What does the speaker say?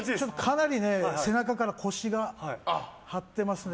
かなり背中から腰が張ってますね。